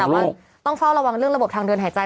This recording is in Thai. แต่ว่าต้องเฝ้าระวังเรื่องระบบทางเดินหายใจ